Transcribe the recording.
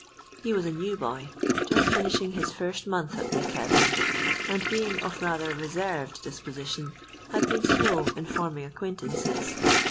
He was a new boy, just finishing his first month at the academy, and being of rather reserved disposition, had been slow in forming acquaintances.